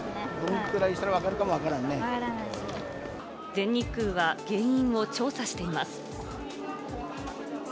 全日空は原因を調査しています。